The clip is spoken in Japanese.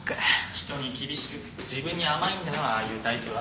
人に厳しく自分に甘いんだよああいうタイプは。